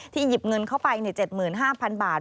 หยิบเงินเข้าไป๗๕๐๐๐บาท